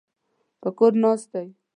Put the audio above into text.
په کور ناست دی.